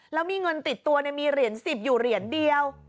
แล้วมีเงินติดตัวมีเหรียญ๑๐อยู่เหรียญเดียว